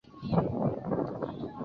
蚁鸟并非猎人或宠物贸易的目标。